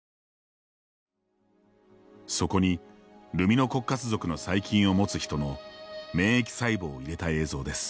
そこにルミノコッカス属の細菌を持つ人の免疫細胞を入れた映像です。